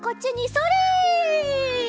それ！